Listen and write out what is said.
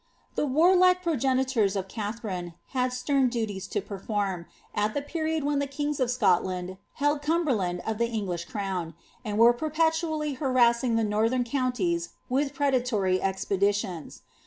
The warlike progenitors of Katharine had stem duties to perform, at the period when the kings of Scotland held Cumberland of the English erown, and were perpetually harassing the northern counties with pre datory expeditions.